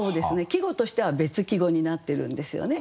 季語としては別季語になってるんですよね。